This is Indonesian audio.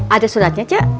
ada suratnya cing